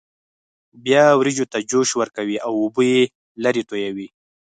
بیا وریجو ته جوش ورکوي او اوبه یې لرې تویوي.